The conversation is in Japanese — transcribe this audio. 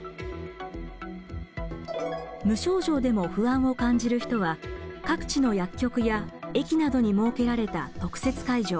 無症状でも不安を感じる人は各地の薬局や駅などに設けられた特設会場